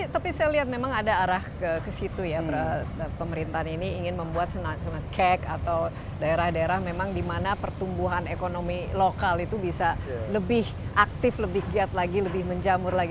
tapi saya lihat memang ada arah ke situ ya pemerintahan ini ingin membuat cake atau daerah daerah memang di mana pertumbuhan ekonomi lokal itu bisa lebih aktif lebih giat lagi lebih menjamur lagi